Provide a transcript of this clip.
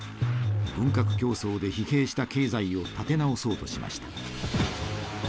軍拡競争で疲弊した経済を立て直そうとしました。